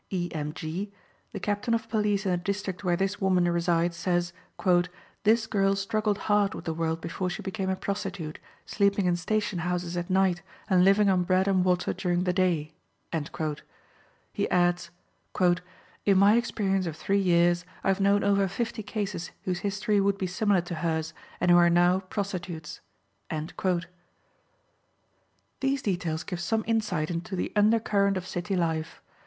E. M. G.: the captain of police in the district where this woman resides says, "This girl struggled hard with the world before she became a prostitute, sleeping in station houses at night, and living on bread and water during the day." He adds: "In my experience of three years, I have known over fifty cases whose history would be similar to hers, and who are now prostitutes." These details give some insight into the under current of city life.